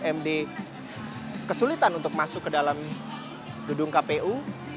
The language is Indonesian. md kesulitan untuk masuk ke dalam gedung kpu